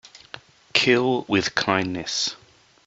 Kill with kindness